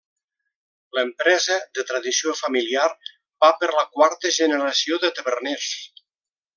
L'empresa, de tradició familiar, va per la quarta generació de taverners.